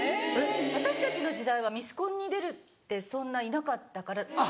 私たちの時代はミスコンに出るってそんないなかったから。